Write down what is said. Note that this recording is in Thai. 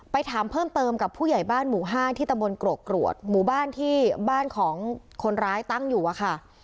ถามเพิ่มเติมกับผู้ใหญ่บ้านหมู่ห้าที่ตำบลกรกกรวดหมู่บ้านที่บ้านของคนร้ายตั้งอยู่อะค่ะ